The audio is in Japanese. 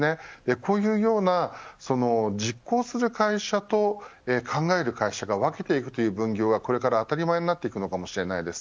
こういうような実行する会社と考える会社が分けていくという分業はこれから、当たり前になっていくのかもしれません。